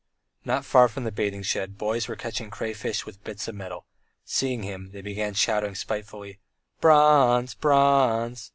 Not far from the bathing shed boys were catching crayfish with bits of meat; seeing him, they began shouting spitefully, "Bronze! Bronze!"